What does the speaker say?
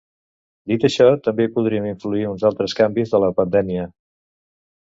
Dit això, també hi podrien influir uns altres canvis de la pandèmia.